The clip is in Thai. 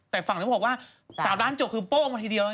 แต่ฝั่งนี้เขาบอกว่า๓ล้านจบคือโป้งมาทีเดียว